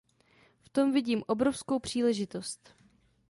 V tom vidím obrovskou příležitost.